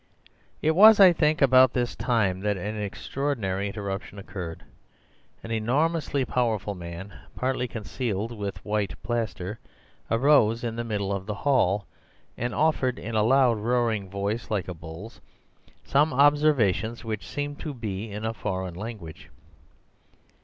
It was, I think, about this time that an extraordinary interruption occurred. An enormous, powerful man, partly concealed with white plaster, arose in the middle of the hall, and offered (in a loud, roaring voice, like a bull's) some observations which seemed to be in a foreign language.